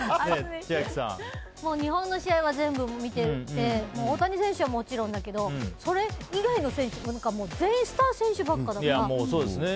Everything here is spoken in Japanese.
日本の試合は全部見てて大谷選手はもちろんだけどそれ以外の選手も全員スター選手ばっかだから。